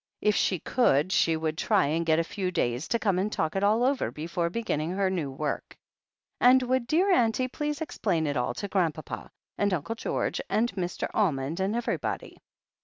If she could, she would try and get a few days, to come and talk it all over before beginning her new work. And would dear auntie please explain it al( to Grandpapa, and Uncle George, and Mr. Almond and everybody?